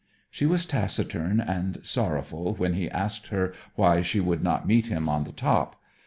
She was taciturn and sorrowful when he asked her why she would not meet him on the top.